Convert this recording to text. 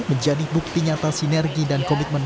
menjadi bukti nyata sinergi dan komitmen